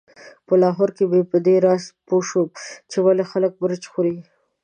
په لاهور کې په دې راز پوی شوم چې ولې خلک مرچ خوري.